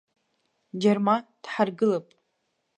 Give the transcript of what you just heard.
Џьарма дҳаргылап.